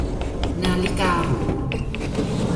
- นาฬิกาหรู